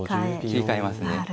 切り替わりますね。